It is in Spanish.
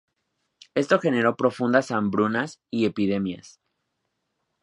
Esto generó profundas hambrunas y epidemias.